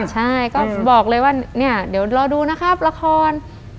ใช่ก็บอกเลยว่าเนี่ยเดี๋ยวรอดูนะครับละคร